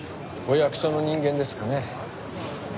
お役所の人間ですかね。